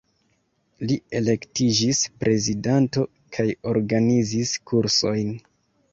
Li elektiĝis prezidanto kaj organizis kursojn.